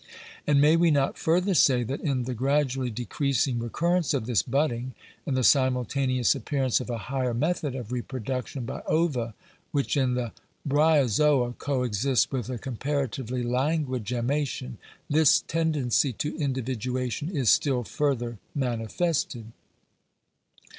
And may we not further say that in the gradually decreasing recurrence of this budding, and the simultaneous appearance of a higher method of reproduc tion by ova (which in the Bryozoa co exists with a compara tively languid gemmation), this " tendency to individuation" is still further manifested